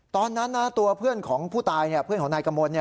ตอนนั้นนะตัวเพื่อนของผู้ตายเพื่อนของนายกมล